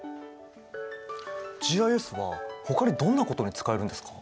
ＧＩＳはほかにどんなことに使えるんですか？